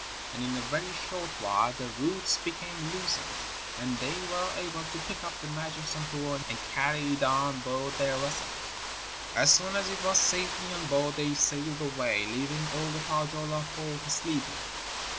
And in a very short while the roots became loosened, and they were able to pick up the magic Sampo and carry it on board their vessel. As soon as it was safely on board they sailed away, leaving all the Pohjola folk sleeping.